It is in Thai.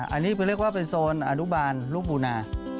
อันนี้คือเรียกว่าเป็นโซนอนุบาลลูกบูนา